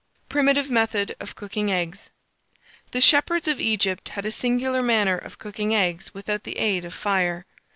PRIMITIVE METHOD OF COOKING EGGS. The shepherds of Egypt had a singular manner of cooking eggs without the aid of fire.